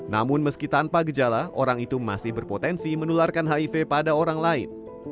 namun meski tanpa gejala orang itu masih berpotensi menularkan hiv pada orang lain